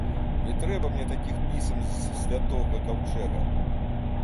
Не трэба мне такіх пісем з святога каўчэга!